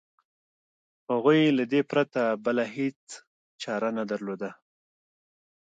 هغوی له دې پرته بله هېڅ چاره نه درلوده.